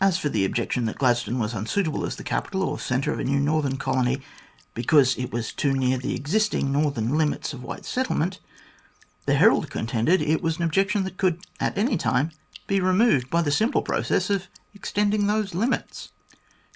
As for the objection that Glad stone was unsuitable as the capital or centre of a new northern colony, because it was too near the existing northern limits of white settlement, the Herald contended it was an objection that could at any time be removed by the simple process of extending those limits.